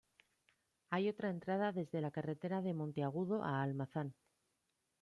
Hay otra entrada desde la carretera de Monteagudo a Almazán.